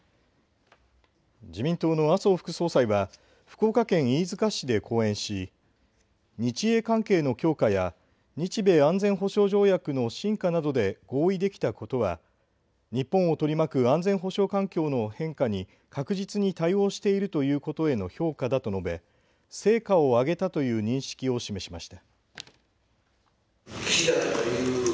自民党の麻生副総裁は福岡県飯塚市で講演し日英関係の強化や日米安全保障条約の深化などで合意できたことは日本を取り巻く安全保障環境の変化に確実に対応しているということへの評価だと述べ成果を上げたという認識を示しました。